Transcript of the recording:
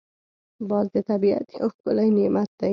باز د طبیعت یو ښکلی نعمت دی